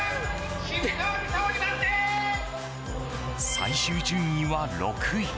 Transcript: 最終順位は６位。